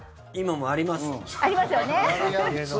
ありますよね。